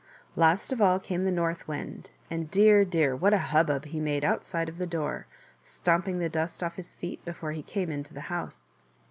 Last of all came the North Wind, and dear, dear, what a hubbub he made outside of the door, stamping the dust off of his feet before he came into the house.